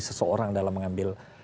seseorang dalam mengambil